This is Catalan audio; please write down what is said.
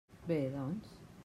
Bé, doncs.